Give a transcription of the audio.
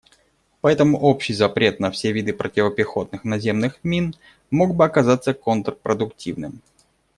Поэтому общий запрет на все виды противопехотных наземных мин мог бы оказаться контрпродуктивным.